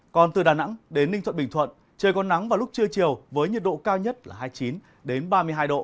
còn từ đà nẵng đến ninh thuận bình thuận trời có nắng vào lúc trưa chiều với nhiệt độ cao nhất là hai mươi chín ba mươi hai độ